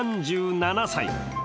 ３７歳。